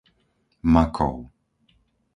Makov